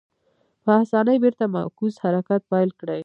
په اسانۍ بېرته معکوس حرکت پیل کړي.